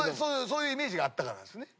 そういうイメージがあったからですね。